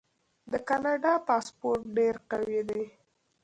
د کاناډا پاسپورت ډیر قوي دی.